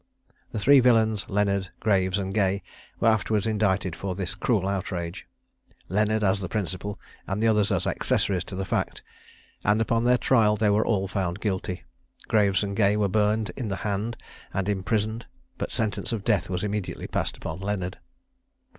The three villains, Leonard, Graves, and Gay, were afterwards indicted for this cruel outrage: Leonard as the principal, and the others as accessories to the fact; and upon their trial they were all found guilty. Graves and Gay were burned in the hand and imprisoned; but sentence of death was immediately passed upon Leonard.